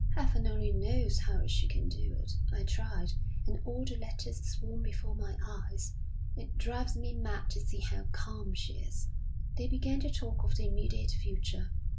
Heaven only knows how she can do it. I tried, and all the letters swam before my eyes. It drives me mad to see how calm she is.' They began to talk of the immediate future.